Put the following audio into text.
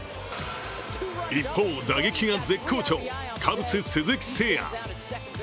一方、打撃が絶好調カブス・鈴木誠也。